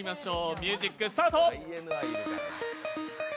ミュージックスタート！